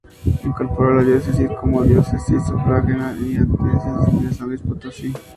Incorporó la Diócesis como Diócesis sufragánea de la Arquidiócesis de San Luis Potosí.